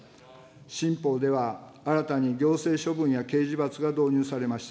新法では新たに行政処分や刑事罰が導入されました。